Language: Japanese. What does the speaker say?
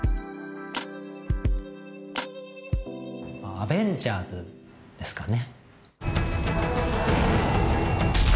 「アベンジャーズ」ですかね